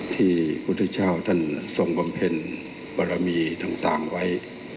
ที่พุทธเจ้าท่านทรงบำเพ็ญบารมีต่างไว้